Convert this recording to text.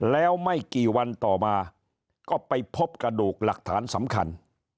แล้วไม่กี่วันต่อมาก็ไปพบกระดูกหลักฐานสำคัญ